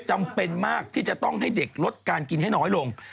จำเป็นมากที่จะต้องให้เด็กลดการกินให้น้อยลง